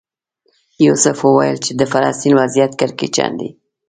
یوسف وویل چې د فلسطین وضعیت کړکېچن دی.